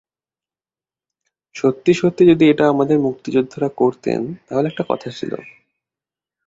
সত্যি সত্যিই যদি এটা আমাদের মুক্তিযোদ্ধারা করতেন, তাহলে একটা কথা ছিল।